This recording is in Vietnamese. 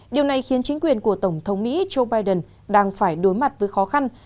điều này khiến chính quyền của tổng thống mỹ joe biden đang phải đối mặt với khó khăn